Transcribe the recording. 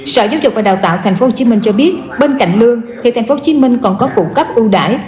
sở giáo dục và đào tạo tp hcm cho biết bên cạnh lương thì tp hcm còn có phụ cấp ưu đải